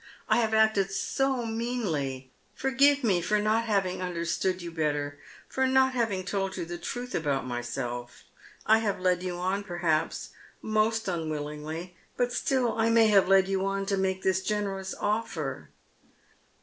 I have acted so meanly. Forgive me for not having understood you better, for not having told you the truth about myself. I have led you on perhaps, most unwillingly, but still I may have led you on to make this generous offer."